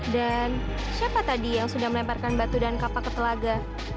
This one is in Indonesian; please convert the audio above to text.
dan siapa tadi yang sudah melemparkan batu dan kapak ke telaga